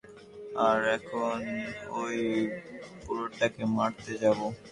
আর এখন ঐ বুড়োটাকে মারতে যাবো।